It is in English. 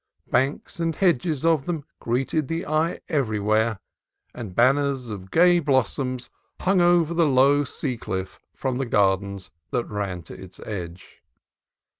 Banks and hedges of them greeted the eye everywhere, and banners of the gay blossoms hung over the low sea cliff from the gardens that ran to its edge.